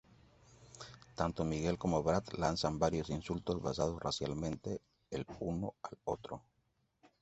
Tanto Miguel como Brad lanzan varios insultos basados racialmente el uno al otro.